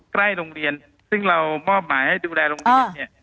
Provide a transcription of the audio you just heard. ใกล้โรงเรียนซึ่งเรามอบหมายให้ดูแลโรงเรียนเนี่ย